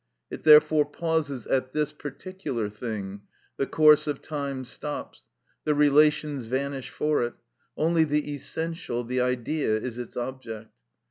It therefore pauses at this particular thing; the course of time stops; the relations vanish for it; only the essential, the Idea, is its object.